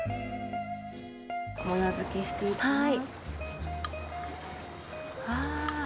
模様付けしていきます。